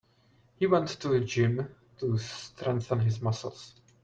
He went to gym to strengthen his muscles.